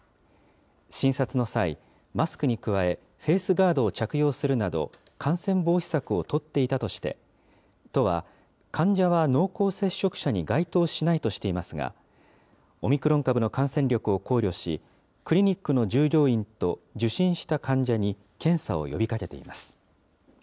診察の際、マスクに加えフェースガードを着用するなど、感染防止策を取っていたとして、都は、患者は濃厚接触者に該当しないとしていますが、オミクロン株の感染力を考慮し、クリニックの従業員と受診した患者に検査を呼びかけています。